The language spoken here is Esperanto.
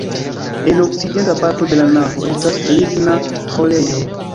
En okcidenta parto de la navo estas ligna ĥorejo.